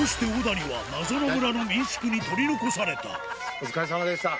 お疲れさまでした。